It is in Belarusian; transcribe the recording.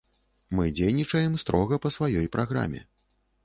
Мы дзейнічаем строга па сваёй праграме.